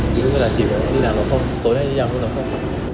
ví dụ như là chị đi làm nộp không tối nay đi làm nộp không